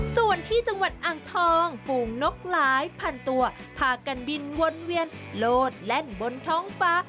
ส่วนที่จังหวัดอ่างทองฝูงนกหลายพันตัวพากันบินวนเวียนโลดแล่นบนท้องฟ้า